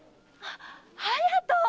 隼人！